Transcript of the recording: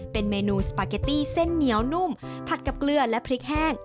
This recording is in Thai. เป็นเมนูสปาเกตตี้เส้นเหนียวนุ่มผัดกับเกลือและพริกแห้ง